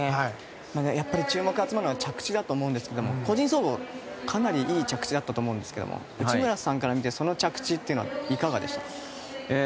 やっぱり注目を集めるのは着地だと思いますが、個人総合はいい着地だったと思いますが内村さんから見てその着地はいかがでしたか？